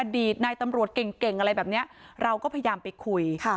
อดีตนายตำรวจเก่งเก่งอะไรแบบเนี้ยเราก็พยายามไปคุยค่ะ